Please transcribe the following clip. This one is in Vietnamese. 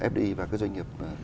fdi và các doanh nghiệp